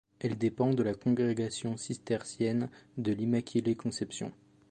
Elle dépend de la congrégation cistercienne de l'Immaculée Conception.